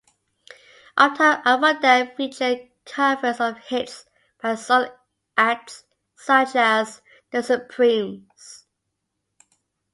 Uptown Avondale featured covers of hits by soul acts such as The Supremes.